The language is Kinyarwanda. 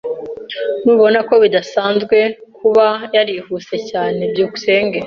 Ntubona ko bidasanzwe kuba yarihuse cyane? byukusenge